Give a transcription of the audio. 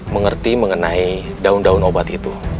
mengerti mengenai daun daun obat itu